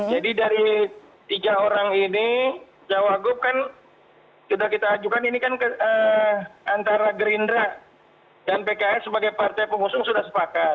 jadi dari tiga orang ini cawagup kan sudah kita ajukan ini kan antara gerindra dan pks sebagai partai pengusung sudah sepakat